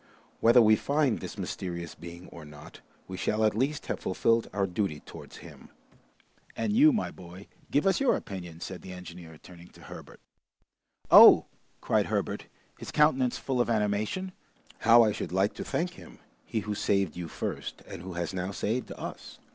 Whether we find this mysterious being or not, we shall at least have fulfilled our duty towards him." "And you, my boy, give us your opinion," said the engineer, turning to Herbert. "Oh," cried Herbert, his countenance full of animation, "how I should like to thank him, he who saved you first, and who has now saved us!"